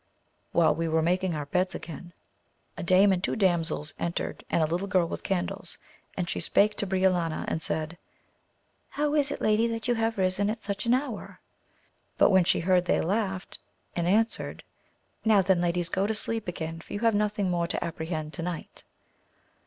While we were making our beds again, a dame and two damsels entered and a little girl with candles, and she spake to Briolania and said. How is it lady that you have risen at such an hour? but when she heard they laughed and answered, Now then ladies go to sleep again, for you have nothing more to apprehend to night.